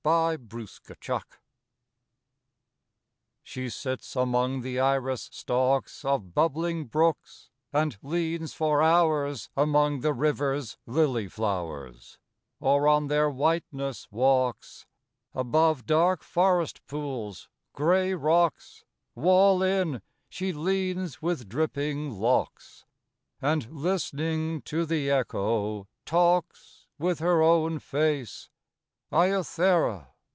THE NAIAD She sits among the iris stalks Of bubbling brooks; and leans for hours Among the river's lily flowers, Or on their whiteness walks: Above dark forest pools, gray rocks Wall in, she leans with dripping locks, And listening to the echo, talks With her own face Iothera.